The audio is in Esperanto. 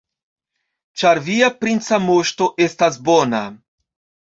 Ĉar via princa moŝto estas bona.